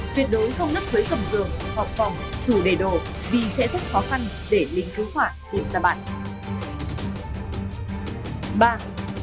tuyệt đối không nấp với cầm giường hoặc phòng thủ đề đồ vì sẽ rất khó khăn để lính cứu hỏa tìm ra bạn